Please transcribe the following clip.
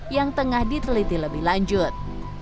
yang tengah diteliti lebih lanjut